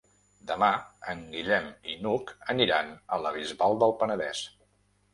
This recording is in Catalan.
Demà en Guillem i n'Hug aniran a la Bisbal del Penedès.